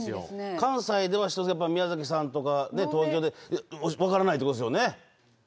関西では、宮崎さんとか東京で分からないってことですよね。